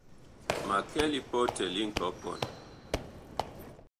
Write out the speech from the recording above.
Ma kɛ lipɔtɛ li nkɔkɔn.